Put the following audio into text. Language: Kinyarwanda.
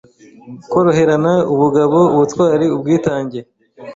koroherana, ubugabo, ubutwari, ubwitange